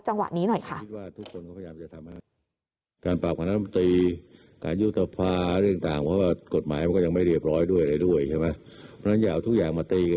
จังหวะนี้หน่อยค่ะ